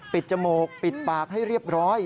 จมูกปิดปากให้เรียบร้อย